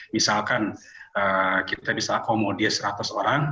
misalkan kita bisa akomodir seratus orang